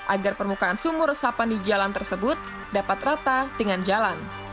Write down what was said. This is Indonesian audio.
agar permukaan sumur resapan di jalan tersebut dapat rata dengan jalan